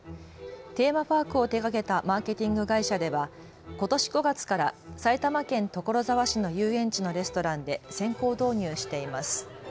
テーマパークを手がけたマーケティング会社ではことし５月から埼玉県所沢市の遊園地のレストランで先行導入しています。